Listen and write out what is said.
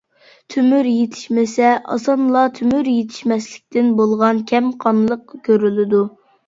تۆمۈر يېتىشمىسە، ئاسانلا تۆمۈر يېتىشمەسلىكتىن بولغان كەم قانلىق كۆرۈلىدۇ.